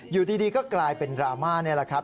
อยู่ดีก็กลายเป็นดราม่านี่แหละครับ